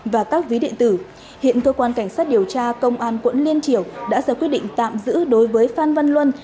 và các ví điện tử hiện cơ quan cảnh sát điều tra công an quận liên triều đã ra quyết định tạm giữ đối với phan văn luân